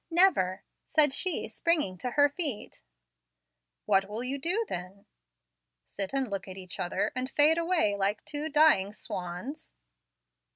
Never," said she, springing to her feet. "What will you do, then? sit and look at each other, and fade away like two dying swans?"